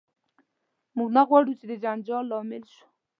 موږ نه غواړو چې د جنجال لامل شو.